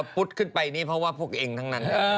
พุทธขึ้นไปนี่เพราะว่าพวกเองทั้งนั้น